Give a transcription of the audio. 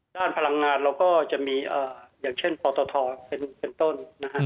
ด้านพลังงานเราก็จะมีอย่างเช่นพอร์ตอทรเป็นต้น